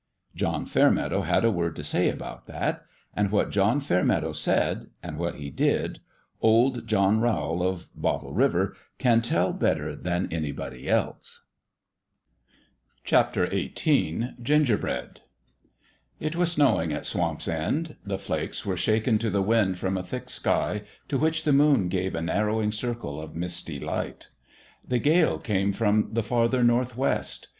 John Fairmeadow had a word to say about that ; and what John Fairmeadow said and what he did old John Rowl, of Bottle River, can tell better than anybody else. XVIII GINGERBREAD IT was snowing at Swamp's End. The flakes were shaken to the wind from a thick sky to which the moon gave a narrowing circle of misty light. The gale came from the farther northwest.